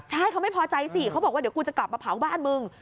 ใช่เขาไม่พอใจสิเขาบอกว่าเดี๋ยวกูจะกลับมาเผาบ้านมึง